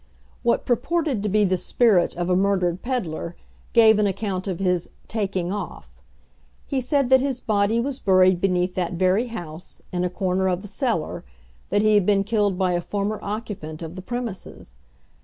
What purported to be the spirit of a murdered peddler, gave an account of his "taking off." He said that his body was buried beneath that very house, in a corner of the cellar; that he had been killed by a former occupant of the premises.